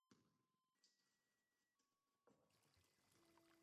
He also became homesick.